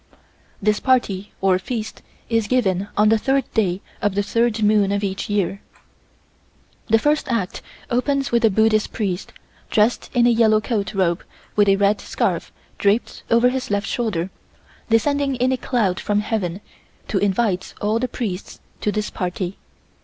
This party or feast is given on the third day of the third moon of each year. The first act opens with a Buddhist Priest, dressed in a yellow coat robe with a red scarf draped over his left shoulder, descending in a cloud from Heaven to invite all the priests to this party.